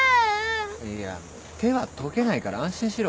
いや手は溶けないから安心しろ。